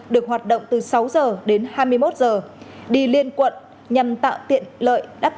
được hoạt động từ sáu h đến hai mươi một h đi liên quận nhằm tạo tiện lợi đáp ứng